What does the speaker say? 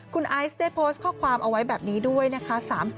คุณไอซ์ได้โพสต์ข้อความเอาไว้แบบนี้ด้วยนะคะ